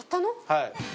はい。